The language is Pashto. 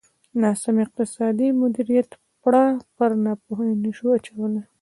د ناسم اقتصادي مدیریت پړه پر ناپوهۍ نه شو اچولای.